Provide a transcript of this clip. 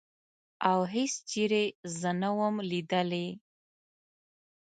او هېڅ چېرې زه نه وم لیدلې.